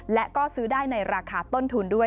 และก็ซื้อได้ในราคาต้นทุนด้วย